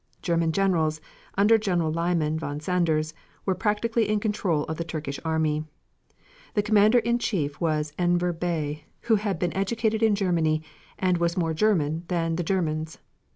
German generals, under General Liman von Sanders, were practically in control of the Turkish army. The commander in chief was Enver Bey, who had been educated in Germany and was more German than the Germans.